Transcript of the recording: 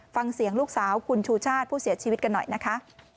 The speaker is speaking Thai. ฟังเสียงลูกสาวคุณชูชาติผู้เสียชีวิตกันหน่อยนะคะ